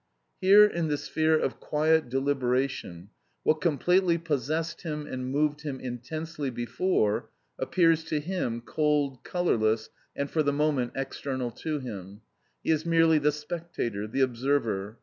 Here in the sphere of quiet deliberation, what completely possessed him and moved him intensely before, appears to him cold, colourless, and for the moment external to him; he is merely the spectator, the observer.